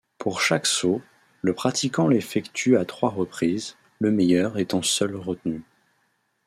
Pour chaque saut, le pratiquant l'effectue à trois reprises, le meilleur étant seul retenu.